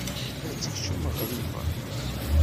ad tekcem ɣriba.